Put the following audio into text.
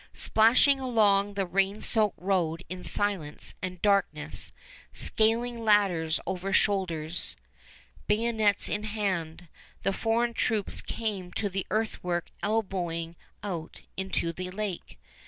Splashing along the rain soaked road in silence and darkness, scaling ladders over shoulders, bayonets in hand, the foreign troops came to the earthwork elbowing out into the lake.